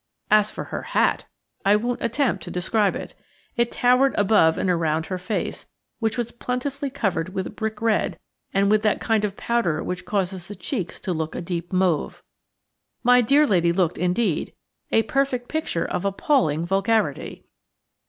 As for her hat! I won't attempt to describe it. It towered above and around her face, which was plentifully covered with brick red and with that kind of powder which causes the cheeks to look a deep mauve. My dear lady looked, indeed, a perfect picture of appalling vulgarity.